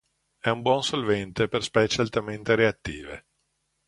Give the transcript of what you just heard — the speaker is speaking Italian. È un buon solvente per specie altamente reattive.